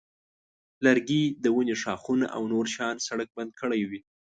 لرګي د ونې ښاخونه او نور شیان سړک بند کړی وي.